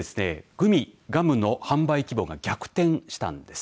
グミ、ガムの販売規模が逆転したんです。